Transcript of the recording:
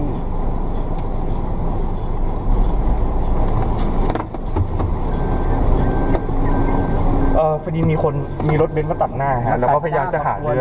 เอ่อพอดีมีคนมีรถเบสมาตัดหน้าฮะแล้วก็พยายามจะหาเรื่อง